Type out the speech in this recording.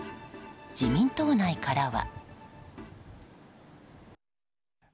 自民党内からは。